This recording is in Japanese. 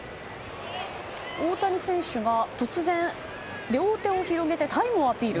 大谷選手が突然、両手を広げてタイムをアピール。